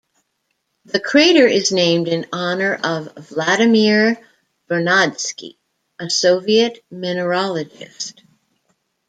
The crater is named in honour of Vladimir Vernadsky, a Soviet mineralogist.